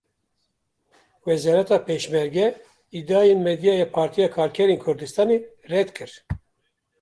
Wezareta Pêşmerge îdiayên medyaya Partiya Karkerên Kurdistanê red kir.